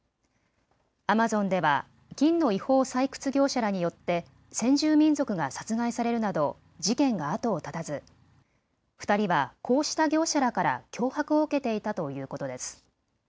アマゾンでは金の違法採掘業者らによって先住民族が殺害されるなど事件が後を絶たず２人はこうした業者らから脅迫を受けていたということです。